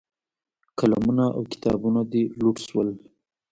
قلمونه او کتابونه دې لوټ شول.